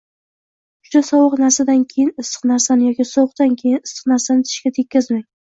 Juda sovuq narsadan keyin issiq narsani yoki sovuqdan keyin issiq narsani tishga tekkazmang.